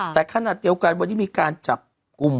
แต่ขณะเดียวกันวันนี้มีการจับกลุ่ม